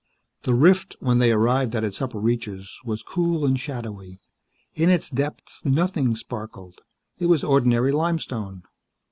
The rift, when they arrived at its upper reaches, was cool and shadowy. In its depths nothing sparkled. It was ordinary limestone.